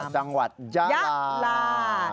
จังหวัดยาลา